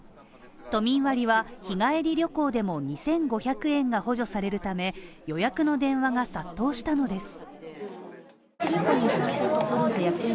都民割は日帰り旅行でも２５００円が補助されるため、予約の電話が殺到したのです。